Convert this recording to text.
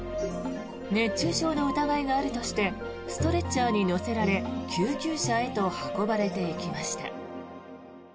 熱中症の疑いがあるとしてストレッチャーに乗せられ救急車へと運ばれていきました。